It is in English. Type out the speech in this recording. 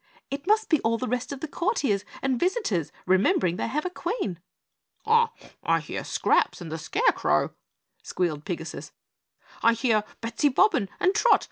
"It must be all the rest of the courtiers and visitors remembering they have a Queen!" "I hear Scraps and the Scarecrow," squealed Pigasus, "I hear Bettsy Bobbin and Trot.